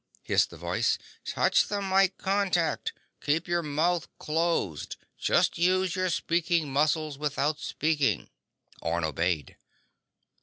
hissed the voice. "Touch the mike contact. Keep your mouth closed. Just use your speaking muscles without speaking." Orne obeyed.